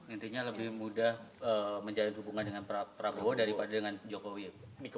intinya lebih mudah menjalin hubungan dengan prabowo daripada dengan jokowi